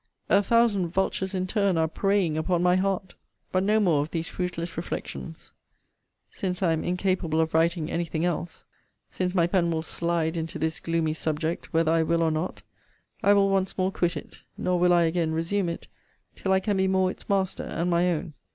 A thousand vultures in turn are preying upon my heart! But no more of these fruitless reflections since I am incapable of writing any thing else; since my pen will slide into this gloomy subject, whether I will or not; I will once more quit it; nor will I again resume it, till I can be more its master, and my own.